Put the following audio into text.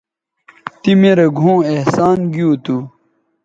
تی می رے گھؤں احسان گیو تھو